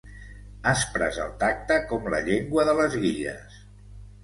Aspres al tacte com la llengua de les guilles.